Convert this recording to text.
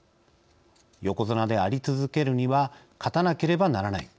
横綱であり続けるには勝たなければならない。